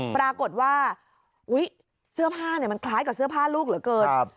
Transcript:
ปรากฏว่าเสื้อผ้ามันคล้ายกับเสื้อผ้าลูกเหลือเกิน